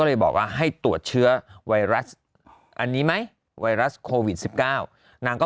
เลยบอกว่าให้ตรวจเชื้อไวรัสอันนี้ไหมไวรัสโควิด๑๙นางก็